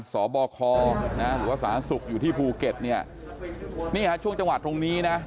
สบคหรือว่าสหรัฐนักศึกษ์อยู่ที่ภูเก็ตนี่ฮะช่วงจังหวัดตรงนี้นะ